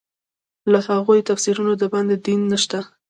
له هغو تفسیرونو د باندې دین نشته.